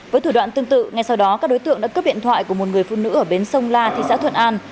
với thủ đoạn tương tự ngay sau đó các đối tượng đã cướp điện thoại của một người phụ nữ ở bến sông la thị xã thuận an